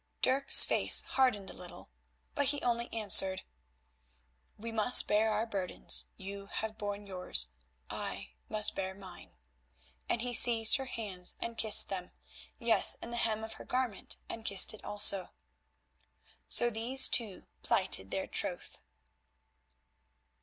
Dirk's face hardened a little, but he only answered: "We must bear our burdens; you have borne yours, I must bear mine," and he seized her hands and kissed them, yes, and the hem of her garment and kissed it also. So these two plighted their troth.